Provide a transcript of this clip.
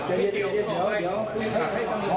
พร้อมไปหาพี่